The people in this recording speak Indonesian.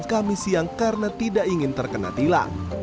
kami siang karena tidak ingin terkena tilang